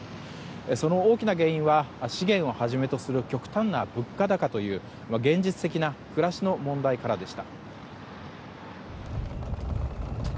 その大きな原因は資源をはじめとする極端な物価高という現実的な暮らしの問題からでした。